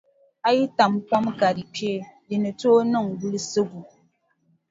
A yi tam kom ka di kpee di ni tooi niŋ gulisigu.